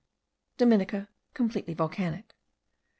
Dominica, completely volcanic.